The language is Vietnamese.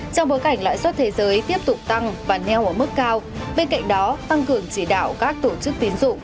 trong bối cảnh lãi suất thế giới tiếp tục tăng và neo ở mức cao bên cạnh đó tăng cường chỉ đạo các tổ chức tín dụng